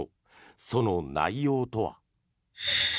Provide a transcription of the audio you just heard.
その内容とは。